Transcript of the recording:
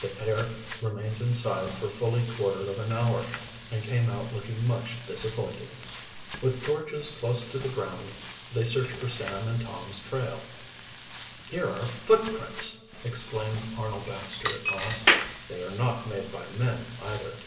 The pair remained inside for fully quarter of an hour, and came out looking much disappointed. With torches close to the ground they searched for Sam and Tom's trail. "Here are footprints!" exclaimed Arnold Baxter, at last. "They are not made by men, either."